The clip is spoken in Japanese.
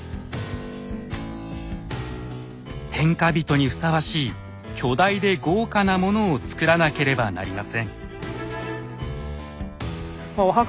天下人にふさわしい巨大で豪華なものを造らなければなりません。